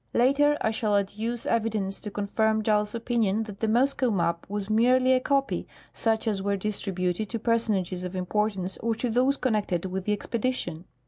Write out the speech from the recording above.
Later I shall adduce evidence to confirm Dall's opinion that the Moscow map was merely a copy, such as were distributed to parsonages of importance or to those connected with the expedition.